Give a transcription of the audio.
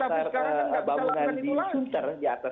tetapi sekarang kan gak bisa lakukan itu lagi